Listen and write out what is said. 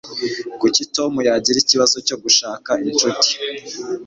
Kuki Tom yagira ikibazo cyo gushaka inshuti